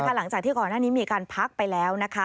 หลังจากที่กหน้านี้มีอาการพักไปแล้ว